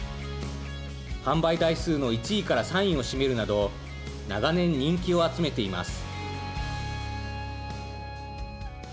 販売台数の１位から３位を占めるなど長年人気を集めています。